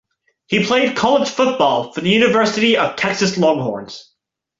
He played college football for the University of Texas Longhorns.